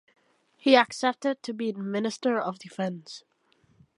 He accepted to be minister of Defense.